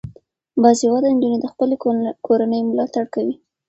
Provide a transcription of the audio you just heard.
باسواده نجونې د خپلې کورنۍ ملاتړ کوي.